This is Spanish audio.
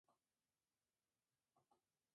Nació futbolísticamente en Nacional de Salto.